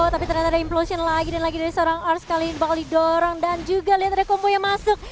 tapi ternyata ada implosion lagi dan lagi dari seorang ars kali ini bakal didorong dan juga lihat ada kompunya masuk